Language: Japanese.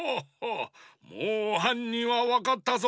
もうはんにんはわかったぞ。